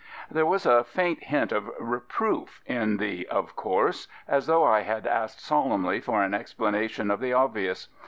There was a faint hint of reproof in the " of course," as though I had asked solemnly for an explanation of the obvious.